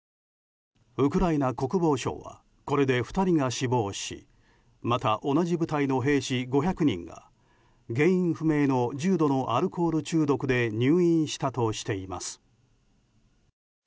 ウクライナ国防省はこれで２人が死亡しまた、同じ部隊の兵士５００人が原因不明の重度のアルコール中毒で入院したとしています。